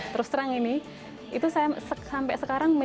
terus terang ini itu saya sampai sekarang